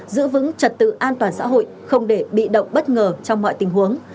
giữ vững trật tự an toàn xã hội không để bị động bất ngờ trong mọi tình huống